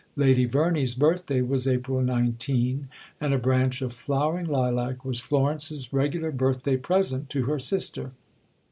Lady Verney's birthday was April 19, and a branch of flowering lilac was Florence's regular birthday present to her sister.